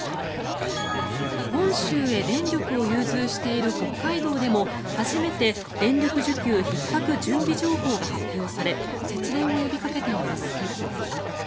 本州へ電力を融通している北海道でも初めて電力需給ひっ迫準備情報が発表され節電を呼びかけています。